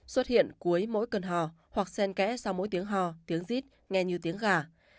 xuất hiện cuối mỗi cơn ho hoặc sen kẽ sau mỗi tiếng ho tiếng dít nghe như tiếng gà